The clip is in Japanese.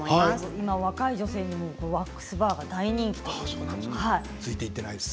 今、若い女性にワックスバーが大人気なんです。